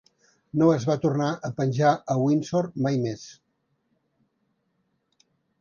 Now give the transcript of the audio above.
No es va tornar a penjar a Windsor mai més.